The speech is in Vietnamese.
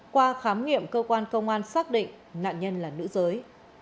qua khám nghiệm cơ quan công an xác định nạn nhân là nữ giới